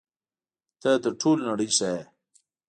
ته تر ټولې نړۍ ښه یې.